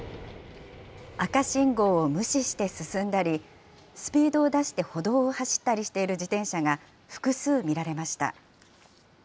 赤信号を無視して進んだり、スピードを出して歩道を走ったりしている自転車が複数見られました。